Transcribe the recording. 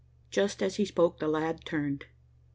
Just as he spoke, the lad turned.